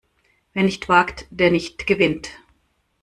Wer nicht wagt, der nicht gewinnt!